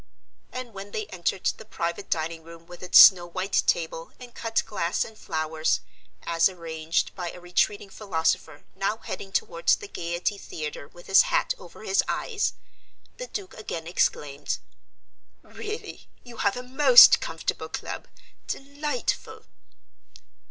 And when they entered the private dining room with its snow white table and cut glass and flowers (as arranged by a retreating philosopher now heading towards the Gaiety Theatre with his hat over his eyes), the Duke again exclaimed, "Really, you have a most comfortable club delightful."